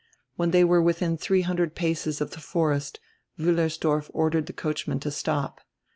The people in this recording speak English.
When diey were within three hundred paces of die forest Wiillersdorf ordered die coachman to stop.